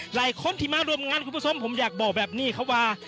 หลายคนที่มาร่วมงานคุณผู้ชมผมอยากบอกแบบนี้ครับว่า